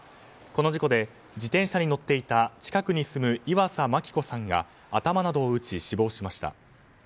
この事故で自転車に乗っていた近くに住む岩佐巻子さんが頭などを打ち死亡しました。